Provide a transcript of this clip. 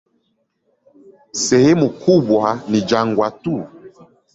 Sehemu kubwa ni jangwa tu.